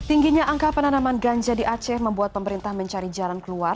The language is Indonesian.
tingginya angka penanaman ganja di aceh membuat pemerintah mencari jalan keluar